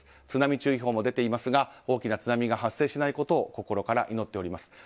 津波注意報も出ていますが大きな津波が発生しないことを心より祈っております。